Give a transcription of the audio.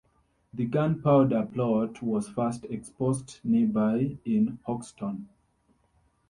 The Gunpowder Plot was first exposed nearby in Hoxton.